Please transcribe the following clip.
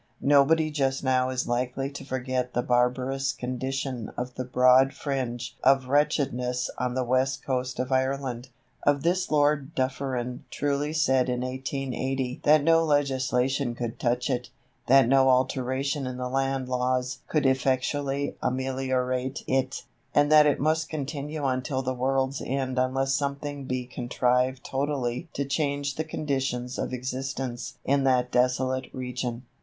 Nobody just now is likely to forget the barbarous condition of the broad fringe of wretchedness on the west coast of Ireland. Of this Lord Dufferin truly said in 1880 that no legislation could touch it, that no alteration in the land laws could effectually ameliorate it, and that it must continue until the world's end unless something be contrived totally to change the conditions of existence in that desolate region.